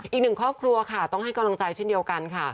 อีกหนึ่งครอบครัวค่ะต้องให้กำลังใจเช่นเดียวกันค่ะ